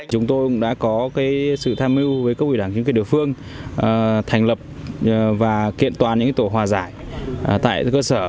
chúng tôi cũng đã có sự tham mưu với cấp ủy đảng chính quyền địa phương thành lập và kiện toàn những tổ hòa giải tại cơ sở